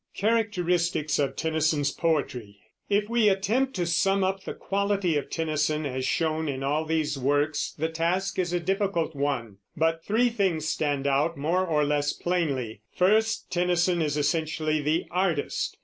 CHARACTERISTICS OF TENNYSON'S POETRY. If we attempt to sum up the quality of Tennyson, as shown in all these works, the task is a difficult one; but three things stand out more or less plainly. First, Tennyson is essentially the artist.